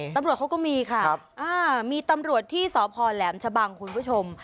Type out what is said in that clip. ตำรวจเขาก็มีค่ะมีตำรวจที่สพแหลมชะบังคุณผู้ชม